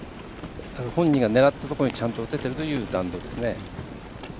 本人が狙ったところにちゃんと打ててるという弾道ですね。